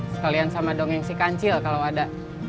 sekalian sama dongeng si kancil kalau ada